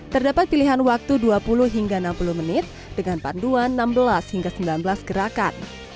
terdapat pilihan waktu dua puluh hingga enam puluh menit dengan panduan enam belas hingga sembilan belas gerakan